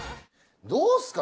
どうっすか？